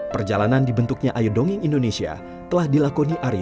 perjalanan di bentuknya ayo dongeng indonesia telah dilakoni akhirnya